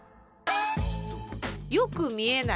「よく見えない」